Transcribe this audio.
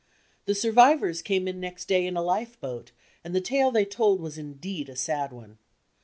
The sur vivors came in next day in a lifeboat, and the tale they told was indeed a sad one.